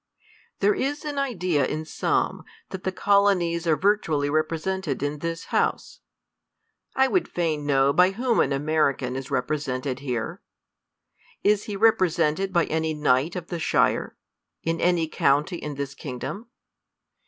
There is aii idea in some, that the Colonies are vir tually represented in this House. I would fain know by whom an American is represented here ? Is he rep~, resented by any knight of the shire, in any county in this kingdom